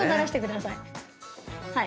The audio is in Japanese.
はい。